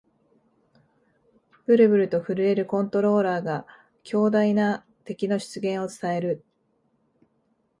ブルブルと震えるコントローラーが、強大な敵の出現を伝える